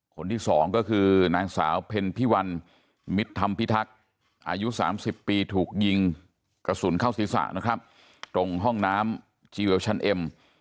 คนที่สองก็คือนางสาวเพ็ญพิวัลมิตรธรรมพิทักษ์อายุ๓๐ปีถูกยิงกระสุนเข้าศีรษะนะครับตรงห้องน้ำจีเวลชันเอ็ม